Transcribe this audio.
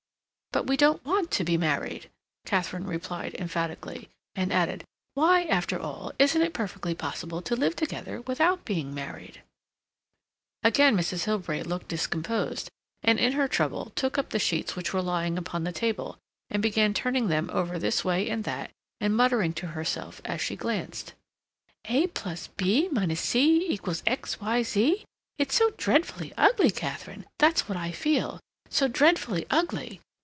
"But we don't want to be married," Katharine replied emphatically, and added, "Why, after all, isn't it perfectly possible to live together without being married?" Again Mrs. Hilbery looked discomposed, and, in her trouble, took up the sheets which were lying upon the table, and began turning them over this way and that, and muttering to herself as she glanced: "A plus B minus C equals x y z. It's so dreadfully ugly, Katharine. That's what I feel—so dreadfully ugly."